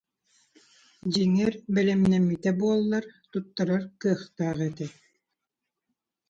Дьиҥэр, бэлэмнэммитэ буоллар туттарар кыахтаах этэ